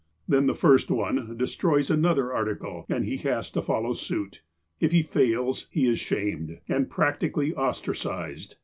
Then the first one destroys another article, and he has to follow suit. If he fails, he is ''shamed," and practically ostracized.